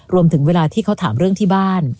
เวลาที่เขาถามเรื่องที่บ้าน